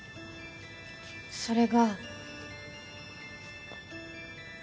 それが。